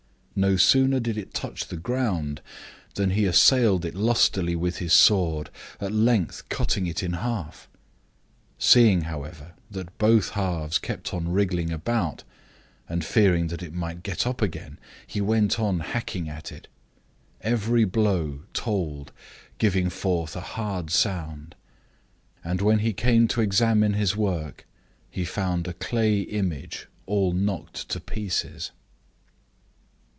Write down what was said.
No sooner did it touch the ground than he assailed it lustily with his sword, at length cutting it in half. Seeing, however, that both halves kept on wrig gling about, and fearing that it might get up again, he went on hacking at it. Every blow told, giving forth a hard sound, and when he came to examine his work, he found a clay image all knocked to pieces.